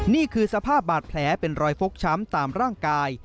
นี่คือสภาพบาดแผลเป็นรอยฟกช้ำตามร่างกาย